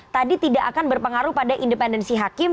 tadi tidak akan berpengaruh pada independensi hakim